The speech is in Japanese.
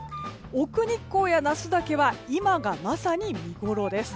奥日光や那須岳は今がまさに見ごろです。